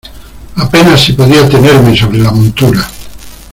apenas si podía tenerme sobre la montura.